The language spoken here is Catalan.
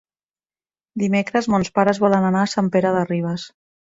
Dimecres mons pares volen anar a Sant Pere de Ribes.